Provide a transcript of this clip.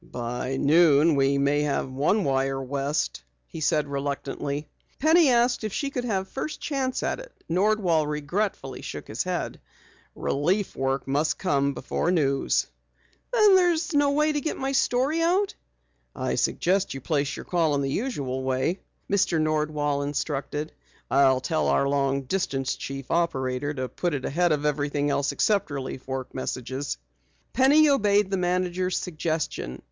"By noon we may have one wire west," he said reluctantly. Penny asked if she could have first chance at it. Nordwall regretfully shook his head. "Relief work must come before news." "Then there's no way to get my story out?" "I suggest that you place your call in the usual way," Mr. Nordwall instructed. "I'll tell our Long Distance Chief Operator to put it ahead of everything except relief work messages." Penny obeyed the manager's suggestion.